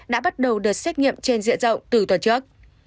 đã bắt đầu đợt xét nghiệm trên diện rộng từ tuần trước